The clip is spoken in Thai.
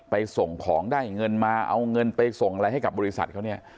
ส่งของได้เงินมาเอาเงินไปส่งอะไรให้กับบริษัทเขาเนี่ย